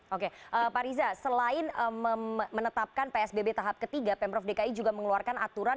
oke pak riza selain menetapkan psbb tahap ketiga pemprov dki juga mengeluarkan aturan